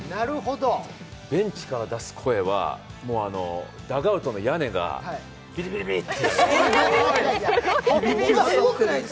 ベンチから出す声はダグアウトの屋根がビリビリビリってなります